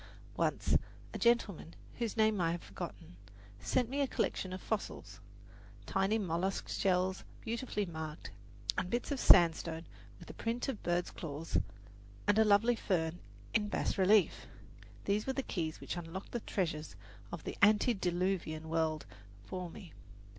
Once a gentleman, whose name I have forgotten, sent me a collection of fossils tiny mollusk shells beautifully marked, and bits of sandstone with the print of birds' claws, and a lovely fern in bas relief. These were the keys which unlocked the treasures of the antediluvian world for me.